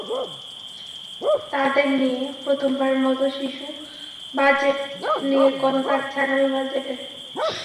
তাদের নিয়ে প্রথমবারের মতো শিশু বাজেট নিয়ে কথা থাকছে আগামী বাজেটে।